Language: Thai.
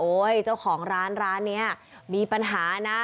เจ้าของร้านร้านนี้มีปัญหานะ